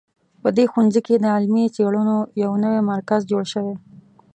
په دې ښوونځي کې د علمي څېړنو یو نوی مرکز جوړ شوی